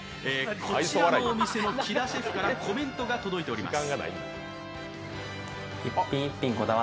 こちらのお店の木田シェフからコメントが届いております。